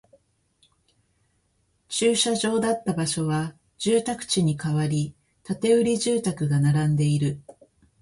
駐車場だった場所は住宅地に変わり、建売住宅が並んでいる